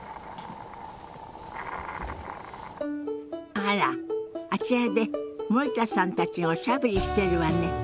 あらあちらで森田さんたちがおしゃべりしてるわね。